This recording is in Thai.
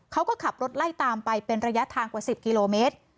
เขาก็ขับรถไล่ตามไปเป็นระยะทางกว่า๑๐กิโลเมตร